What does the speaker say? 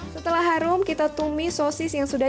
setelah harum kita tumis sosis yang sudah